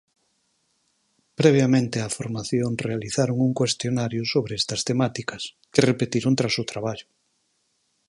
Previamente á formación realizaron un cuestionario sobre estas temáticas, que repetiron tras o traballo.